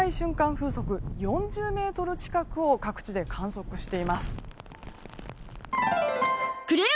風速４０メートル近くを各地で観測しています。